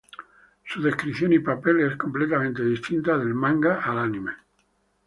Su descripción y papel es completamente distinta del manga al anime.